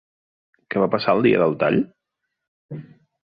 Què va passar el dia del tall?